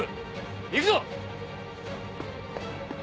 行くぞ！